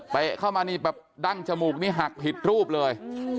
เปะเข้ามาดั่งจมูกนี่หักผิดรูปเลย